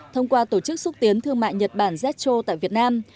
thông qua tổ chức xúc tiến thương mại nhật bản zcho tại việt nam